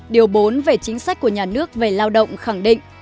điều bốn về chính sách của nhà nước về lao động khẳng định